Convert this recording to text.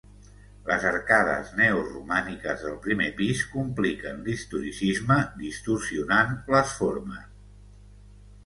Les arcades neoromàniques del primer pis compliquen l'historicisme, distorsionant les formes.